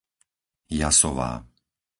Jasová